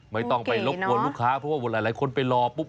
ไม่ต้องไปรบกวนลูกค้าเพราะว่าหลายคนไปรอปุ๊บ